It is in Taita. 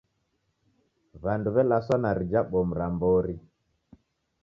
W'andu w'elaswa na rija bomu ra mbori.